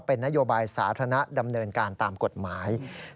เป็นนโยบายสาธารณะดำเนินการตามกฎหมาย